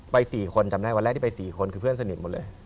๔คนจำได้วันแรกที่ไป๔คนคือเพื่อนสนิทหมดเลย